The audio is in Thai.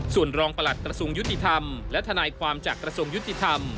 ส่วนรองประหลัดกระทรวงยุติธรรมและทนายความจากกระทรวงยุติธรรม